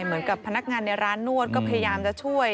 เหมือนกับพนักงานในร้านนวดก็พยายามจะช่วย